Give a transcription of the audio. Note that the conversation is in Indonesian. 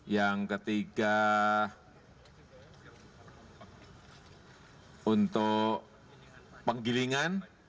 yang ketiga untuk penggilingan